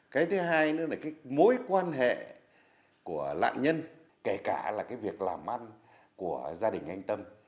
cái thứ hai nữa là cái mối quan hệ của nạn nhân kể cả là cái việc làm ăn của gia đình anh tâm